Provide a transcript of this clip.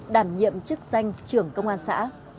đảm nhiệm chức danh trưởng công an xã